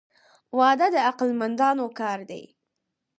• واده د عقل مندانو کار دی.